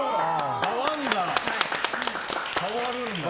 変わるんだ。